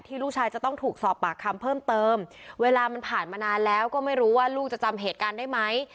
ลูกชายจะต้องถูกสอบปากคำเพิ่มเติมเวลามันผ่านมานานแล้วก็ไม่รู้ว่าลูกจะจำเหตุการณ์ได้ไหม